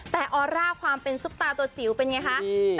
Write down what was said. แต่ออร่าความเป็นซุปตาตัวจิ๋วเป็นไงคะ